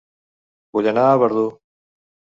Vull anar a Verdú